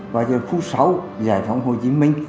và cho đến khu sáu giải phóng hồ chí minh